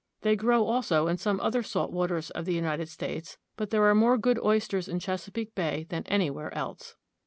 They grow also in some other salt waters of the United States, but there are more good oysters in Chesapeake Bay than anywhere else.